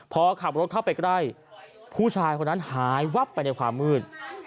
พอขับรถเข้าไปใกล้ผู้ชายคนนั้นหายวับไปในความมืด